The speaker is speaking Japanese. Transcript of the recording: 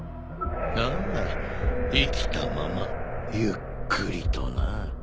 ああ生きたままゆっくりとな。